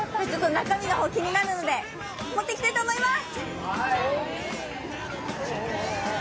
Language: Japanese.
中身の方、気になるので持っていきたいと思います。